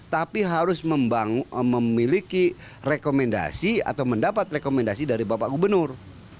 tapi harus memiliki rekomendasi atau mendapat rekomendasi dari bapak gubernur